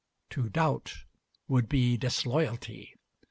"To doubt would be disloyalty."